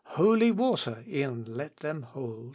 Holy water e'en let them hold.